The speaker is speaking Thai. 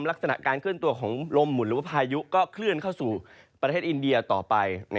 ลักษณะการเคลื่อนตัวของลมหมุนหรือว่าพายุก็เคลื่อนเข้าสู่ประเทศอินเดียต่อไป